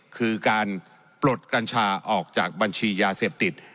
คือการปลดกัญชาออกจากบัญชียาเสพติด